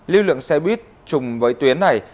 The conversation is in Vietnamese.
lưu lượng xe buýt chùng với tuyến này